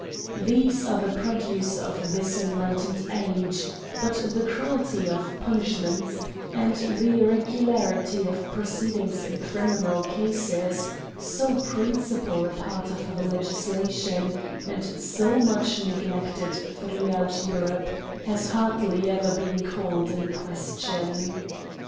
These are the produce of this enlightened age ; but the cruelty of punish ments, and the irregularity of proceedings in cri minal cascSj so principal apart of the legislation, and so much neglected throughout Europe, has hardly ever been called in question.